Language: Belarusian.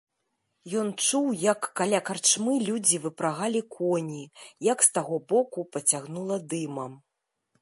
Ён чуў, як каля карчмы людзі выпрагалі коні, як з таго боку пацягнула дымам.